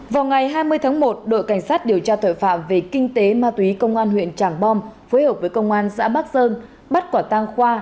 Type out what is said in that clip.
vào ngày hai mươi tháng một đội cảnh sát điều tra tội phạm về kinh tế ma túy công an huyện tràng bom phối hợp với công an xã bắc sơn bắt quả tang khoa